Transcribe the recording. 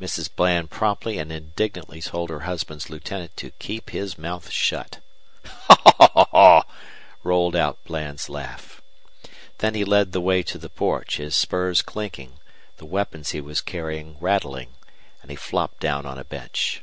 Mrs. Bland promptly and indignantly told her husband's lieutenant to keep his mouth shut. "Ho, ho, ho!" rolled out Bland's laugh. Then he led the way to the porch, his spurs clinking, the weapons he was carrying rattling, and he flopped down on a bench.